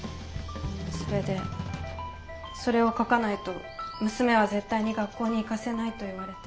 それでそれを書かないと娘は絶対に学校に行かせないと言われて。